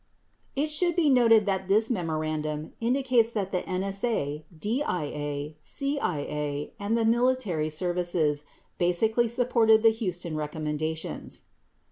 30 It should be noted that this memorandum indicates that the NS A, DIA, CIA and the military services basically supported the Huston recommendations.